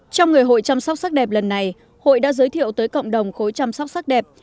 trong người hội chăm sóc sắc đẹp lần này hội đã giới thiệu tới cộng đồng khối chăm sóc sắc đẹp